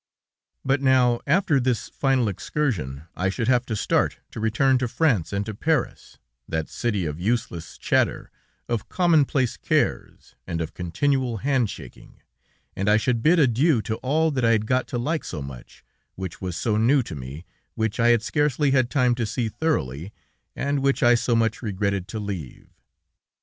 But now, after this final excursion, I should have to start, to return to France and to Paris, that city of useless chatter, of commonplace cares, and of continual hand shaking, and I should bid adieu to all that I had got to like so much, which was so new to me, which I had scarcely had time to see thoroughly, and which I so much regretted to leave.